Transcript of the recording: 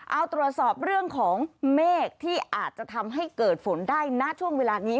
เอาตรวจสอบเรื่องของเมฆที่อาจจะทำให้เกิดฝนได้ณช่วงเวลานี้